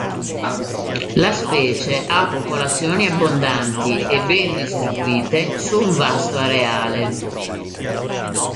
La specie ha popolazioni abbondanti e ben distribuite su un vasto areale.